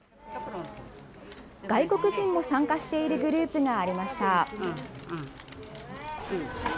外国人も参加しているグループがありました。